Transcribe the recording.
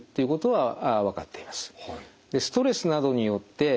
はい。